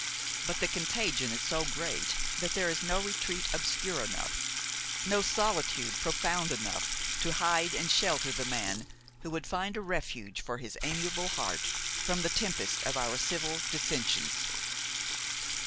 But the contagion is so great that there is no retreat obscure enough, no solitude profound enough to hide and shelter the man who would find a refuge for his amiable heart from the tempests of our civil dissensions.